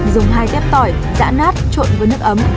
dùng hai tép tỏi giãn nát trộn với nước ấm